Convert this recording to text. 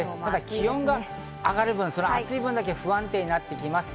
気温が上がる分、暑い分だけ不安定になってきます。